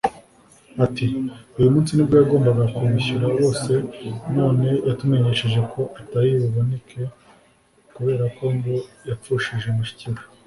Ati “Uyu munsi nibwo yagombaga kubishyura bose none yatumenyesheje ko atari buboneke kubera ko ngo yapfushije mushiki we